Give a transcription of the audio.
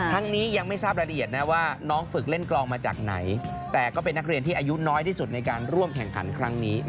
นี้ยังไม่ทราบรายละเอียดนะว่าน้องฝึกเล่นกลองมาจากไหนแต่ก็เป็นนักเรียนที่อายุน้อยที่สุดในการร่วมแข่งขันครั้งนี้